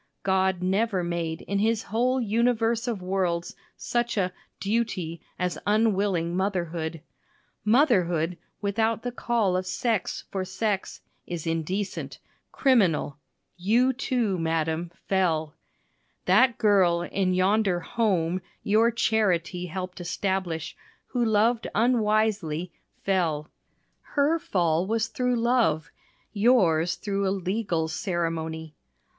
God never made in his whole universe of worlds such a "duty" as unwilling motherhood. Motherhood without the call of sex for sex is indecent criminal. You, too, madam, fell. That girl in yonder "home" your "charity" helped establish, who loved unwisely, fell. Her fall was through love yours through a legal ceremony.